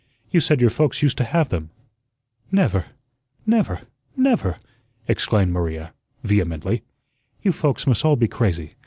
You said your folks used to have them." "Never, never, never!" exclaimed Maria, vehemently. "You folks must all be crazy.